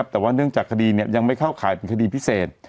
แต่ว่าเนื่องจากคดียังไม่เข้าข่ายเป็นคดีพิเศษ